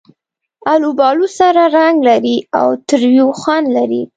آلوبالو سره رنګ لري او تریو خوند لري.